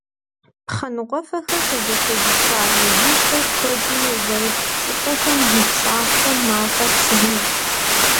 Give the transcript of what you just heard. Пхъэ ныкъуэфхэр щызэхуэдзыса, ежьужьхэр куэду зэрыт щӀыпӀэхэм, жыг щӀагъхэм мафӀэ щывмыщӀ.